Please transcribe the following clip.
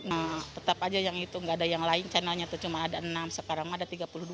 nah tetap aja yang itu nggak ada yang lain channelnya itu cuma ada enam sekarang ada tiga puluh dua